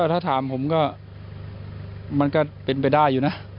ถ้าถามผมก็มันก็เป็นไปได้อยู่นะ